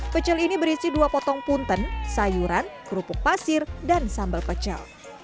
pecel ini berisi dua potong punten sayuran kerupuk pasir dan sambal pecel